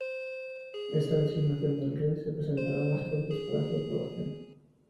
Esta designación del Rey se presentará a las Cortes para su aprobación.